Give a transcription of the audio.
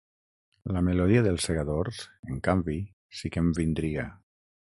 La melodia dels Segadors, en canvi, sí que em vindria.